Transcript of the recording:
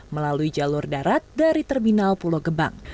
melalui jalur darat dari terminal pulau gebang